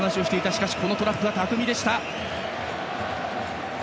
しかしトラップ巧みでした！